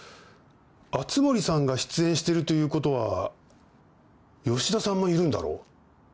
熱護さんが出演してるということは吉田さんもいるんだろ？